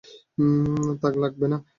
থাক লাগবে না।